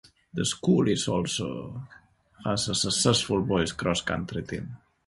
The school also has a successful boys cross country team.